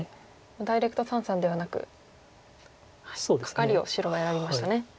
ダイレクト三々ではなくカカリを白は選びましたね。